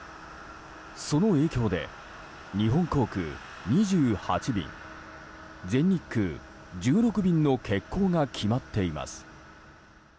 その影響で、日本航空２８便全日空１６便の欠航が決まっています。